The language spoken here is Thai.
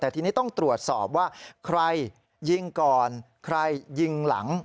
แต่ทีนี้ต้องตรวจสอบว่าใครยิงก่อนใครยิงหลัง